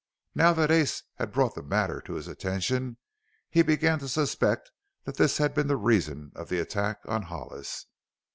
Now that Ace had brought the matter to his attention he began to suspect that this had been the reason of the attack on Hollis.